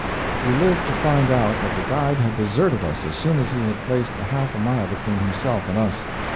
We lived to find out that that guide had deserted us as soon as he had placed a half mile between himself and us.